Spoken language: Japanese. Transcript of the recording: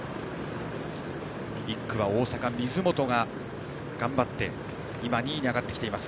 １区は大阪、水本が頑張って２位に上がってきています。